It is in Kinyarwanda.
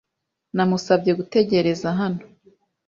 Namusabye gutegereza hano.